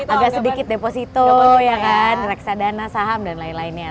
agak sedikit deposito reksadana saham dan lain lainnya